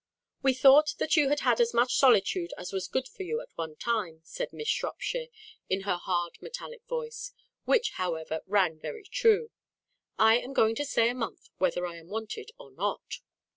"We thought that you had had as much solitude as was good for you at one time," said Miss Shropshire, in her hard metallic voice, which, however, rang very true. "I am going to stay a month, whether I am wanted or not."